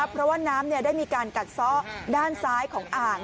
เพราะว่าน้ำได้มีการกัดซ้อด้านซ้ายของอ่าง